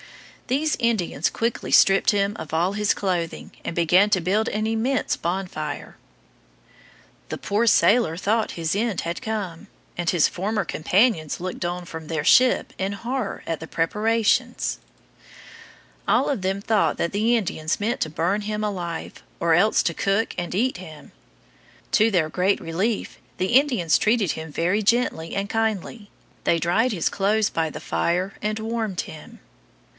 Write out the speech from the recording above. These Indians quickly stripped him of all his clothing and began to build an immense bonfire. The poor sailor thought his end had come, and his former companions looked on from their ship in horror at the preparations. [Illustration: Indians Rescuing the Sailor.] All of them thought that the Indians meant to burn him alive or else to cook and eat him. To their great relief, the Indians treated him very gently and kindly; they dried his clothes by the fire and warmed him.